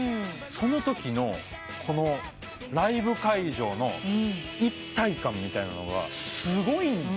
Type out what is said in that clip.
そのときのライブ会場の一体感みたいなのがすごい。